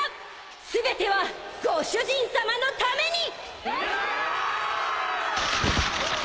全てはご主人さまのために！